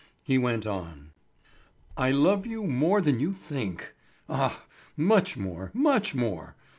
He went on: "I love you more than you think—ah, much more, much more.